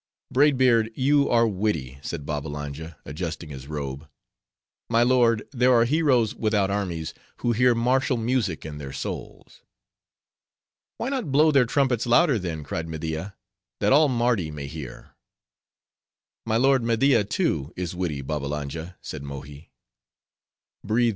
"Braid Beard, you are witty," said Babbbalanja, adjusting his robe. "My lord, there are heroes without armies, who hear martial music in their souls." "Why not blow their trumpets louder, then," cried Media, that all Mardi may hear?" "My lord Media, too, is witty, Babbalanja," said Mohi.